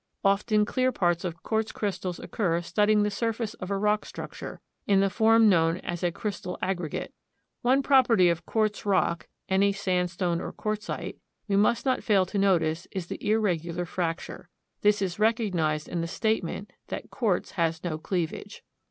Often clear parts of quartz crystals occur studding the surface of a rock structure, in the form known as a crystal aggregate. One property of quartz rock (any sandstone or quartzite) we must not fail to notice is the irregular fracture. This is recognized in the statement that quartz has no cleavage.